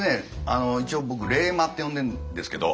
一応僕「冷マ」って呼んでんですけど。